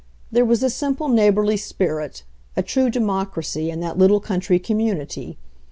There was a simple neighborly spirit, a true democracy, in that little country community.